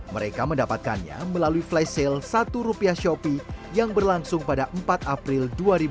mereka mendapatkannya melalui flash sale satu rupiah shopee yang berlangsung pada empat april dua ribu dua puluh